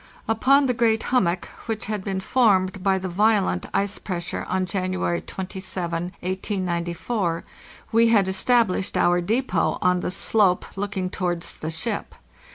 Upon the "great hummock," which had been formed by the violent ice pressure on January 27, 1894, we had established our depot on the slope looking towards the ship.